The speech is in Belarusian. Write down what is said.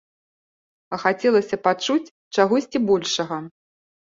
А хацелася пачуць чагосьці большага.